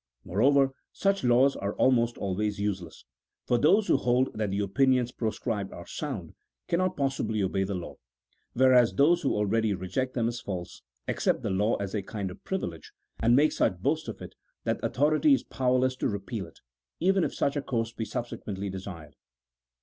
Moreover, such laws are almost always useless, for those who hold that the opinions proscribed are sound, cannot possibly obey the law; whereas those who already reject them as false, accept the law as a kind of privilege, and make such boast of it, that authority is powerless to repeal it, even if such a course be subsequently desired.